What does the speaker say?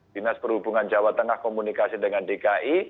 dinas perhubungan jawa tengah komunikasi dengan dki